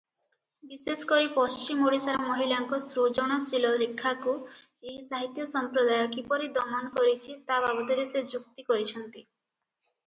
ବିଶେଷ କରି ପଶ୍ଚିମ ଓଡ଼ିଶାର ମହିଳାଙ୍କ ସୃଜନଶୀଳ ଲେଖାକୁ ଏହି ସାହିତ୍ୟ ସମ୍ପ୍ରଦାୟ କିପରି ଦମନ କରିଛି ତା’ ବାବଦରେ ସେ ଯୁକ୍ତି କରିଛନ୍ତି ।